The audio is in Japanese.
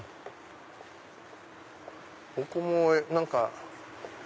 ここも何か。